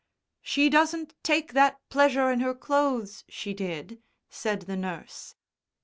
"She doesn't take that pleasure in her clothes she did," said the nurse.